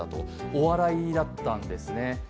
お笑いだったんですね。